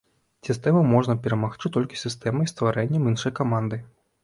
Сістэму можна перамагчы толькі сістэмай, стварэннем іншай каманды.